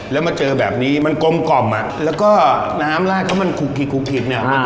แล้วมาเจอแบบนี้มันกลมกล่อมอ่ะแล้วก็น้ำราชถ้ามันคลุกขีดคลุกขีดเนี่ย